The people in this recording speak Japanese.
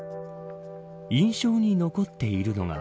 印象に残っているのが。